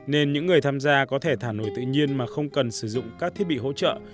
nên những người tham gia có thể thả nổi tự nhiên mà không cần sử dụng các thiết bị hỗ trợ